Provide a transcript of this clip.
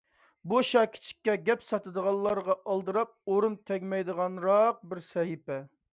بۇ شاكىچىكچە گەپ ساتىدىغانلارغا ئالدىراپ ئورۇن تەگمەيدىغانراق بىر سەھىپە.